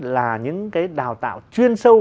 là những cái đào tạo chuyên sâu